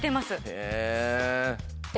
へえ！